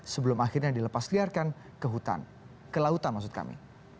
sebelum akhirnya dilepasliarkan ke hutan ke lautan maksud kami